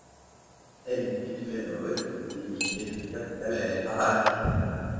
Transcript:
Elle est située dans l'ouest du pays, et sa capitale est Arak.